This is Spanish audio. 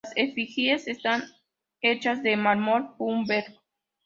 Las efigies están hechas de mármol Purbeck.